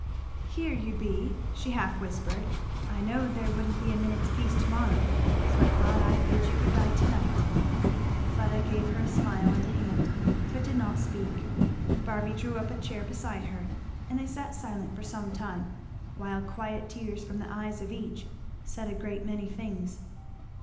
"Here you be," she half whispered. "I knowed there wouldn't be a minute's peace to morrow; so I thought I'd bid you good bye to night." Fleda gave her a smile and a hand, but did not speak. Barby drew up a chair beside her, and they sat silent for some time, while quiet tears from the eyes of each said a great many things.